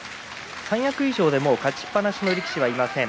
三役以上で勝ちっぱなしの力士はいません。